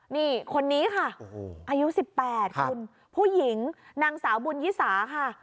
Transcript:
นี่คนนี้ค่ะอายุ๑๘คุณผู้หญิงนางสาวบุญยิสาค่ะ